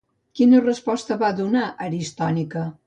Quina resposta va donar Aristònica?